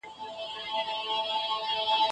دا یو ملي مسؤلیت دی.